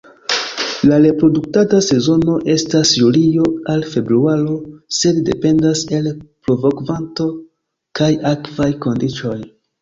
La reprodukta sezono estas julio al februaro sed dependas el pluvokvanto kaj akvaj kondiĉoj.